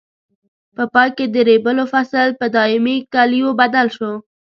په پای کې د ریبلو فصل په دایمي کلیو بدل شو.